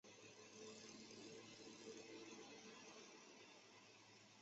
蒙塔尼厄人口变化图示